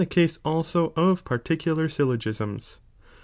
case also of pariicular syllogisms.